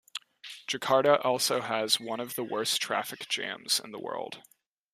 Jakarta also has one of the worst traffic jams in the world.